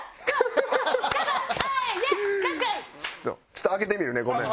ちょっと開けてみるねごめん。